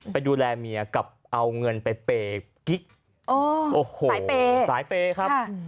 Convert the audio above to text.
ไปดูแลเมียกับเอาเงินไปเปย์กิ๊กโอ้โหสายเปย์สายเปย์ครับ